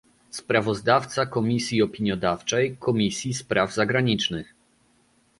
sprawozdawca komisji opiniodawczej Komisji Spraw Zagranicznych